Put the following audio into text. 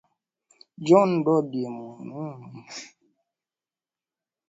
john dodie mhusenge amebaini kwamba hali hiyo ni kutaka kuwakandamiza waandishi hao wa habari